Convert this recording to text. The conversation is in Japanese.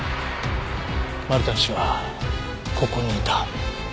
マルタン氏はここにいた。